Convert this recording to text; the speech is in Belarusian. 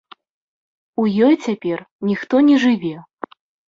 У ёй цяпер ніхто не жыве.